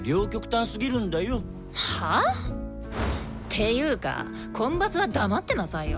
ていうかコンバスは黙ってなさいよ。